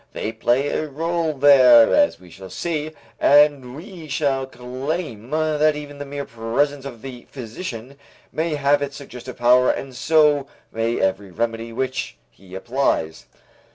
They play a rôle there, as we shall see, and we shall claim that even the mere presence of the physician may have its suggestive power and so may every remedy which he applies.